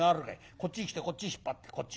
こっち来てこっち引っ張ってこっち